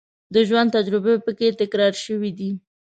د ژوند تجربې په کې تکرار شوې دي.